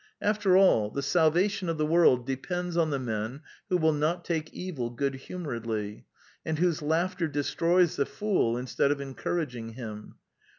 After all, the salvation of the world depends on the men who will not take evil good humoredly, and whose laughter destroys the fool instead of en couraging him.